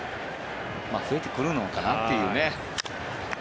増えてくるのかなというね。